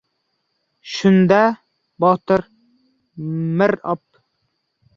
Shunda Botir mirob: